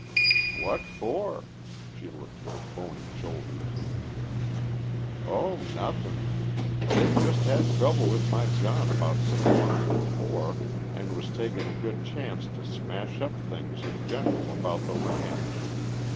What for?" She lifted her bony shoulders. "Oh, nothin'. They'd jus' had trouble with my John about six months before, an' was taking a good chance to smash up things in general about the ranch.